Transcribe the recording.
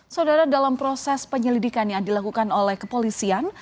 saudara dalam proses penyelidikan yang dilakukan oleh kepolisian